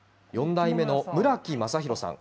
４代目の村木政寛さん。